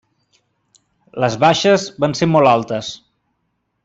Les baixes van ser molt altes.